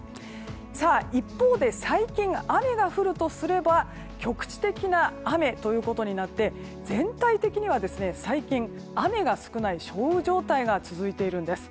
一方で、最近雨が降るとすれば局地的な雨ということになって全体的には最近雨が少ない少雨状態が続いているんです。